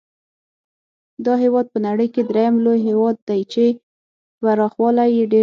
دا هېواد په نړۍ کې درېم لوی هېواد دی چې پراخوالی یې ډېر دی.